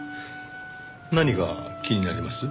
何が気になります？